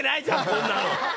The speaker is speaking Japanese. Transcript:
こんなの。